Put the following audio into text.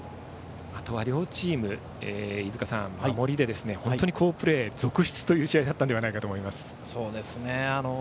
あとは両チーム飯塚さん、守りで本当に好プレー続出という試合だったのではないかと思います。